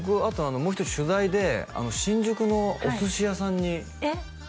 あのもう一人取材で新宿のお寿司屋さんにえっ？